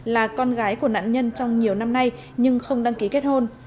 là con gái của nạn nhân trong nhiều năm nay nhưng không đăng ký kết hôn